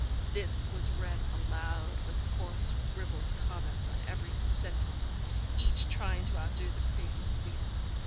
This was read aloud, with coarse ribald comments on every sentence, each trying to outdo the previous speaker.